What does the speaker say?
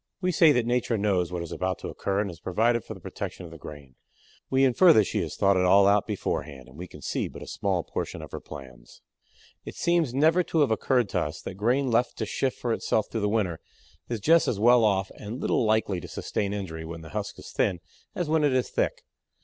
We say that Nature knows what is about to occur and has provided for the protection of the grain. We infer that she has thought it all out beforehand and we can see but a small portion of her plans. It seems never to have occurred to us that grain left to shift for itself through the winter is just as well off and little likely to sustain injury when the husk is thin as when it is thick.